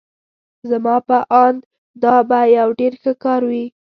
زما په آند دا به یو ډېر ښه کار وي.